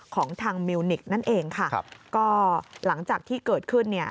ของทางมิวนิกนั่นเองค่ะครับก็หลังจากที่เกิดขึ้นเนี่ย